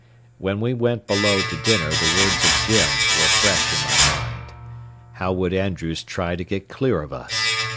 When we went below to dinner the words of Jim were fresh in my mind. How would Andrews try to get clear of us?